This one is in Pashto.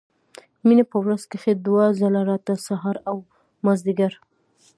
مينه په ورځ کښې دوه ځله راتله سهار او مازديګر.